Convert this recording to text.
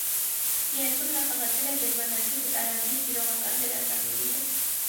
Պիեսում նա խաղացել է գերմանացի վտարանդի սիրողական դերասանների հետ։